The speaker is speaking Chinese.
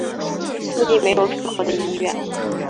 附近没有适合的医院